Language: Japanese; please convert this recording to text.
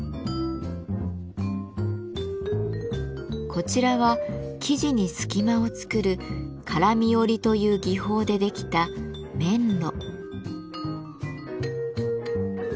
こちらは生地に隙間を作る「からみ織」という技法でできた「綿絽」。